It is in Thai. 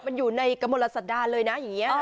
มันอยู่ในกมลสะดานเลยนะ